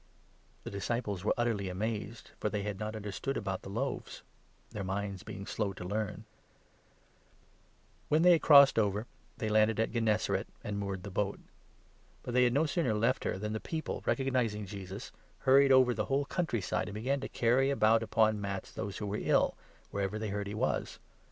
51 The disciples were utterly amazed, for they had not under 52 stood about the loaves, their minds being slow to learn. Jesus at When they had crossed over, they landed at 53 Gennesaret. Gennesaret, and moored the boat. But they had 54 no sooner left her than the people, recognizing Jesus, hurried 55 over the whole country side, and began to carry about upon mats those who were ill, wherever they heard he was.